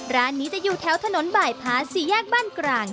ร้านนี้จะอยู่แถวถนนบ่ายพาสี่แยกบ้านกลาง